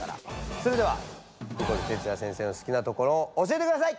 それではニコルＴＥＴＳＵＹＡ先生の好きなところを教えてください！